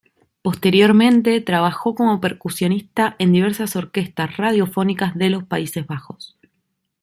Posteriormente trabajó como percusionista en diversas orquestas radiofónicas de los Países Bajos.